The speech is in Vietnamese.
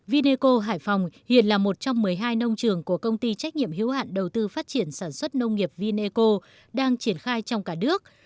vineco hải phòng hiện là một trong một mươi hai nông trường của công ty trách nhiệm hữu hạn đầu tư phát triển sản xuất nông nghiệp vineco đang triển khai trong cả nước